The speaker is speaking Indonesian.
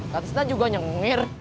katanya juga nyengir